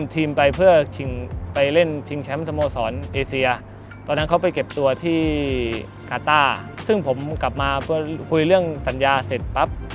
ที่กาต้าซึ่งผมกลับมาพูดเรื่องสัญญาเสร็จปั๊บ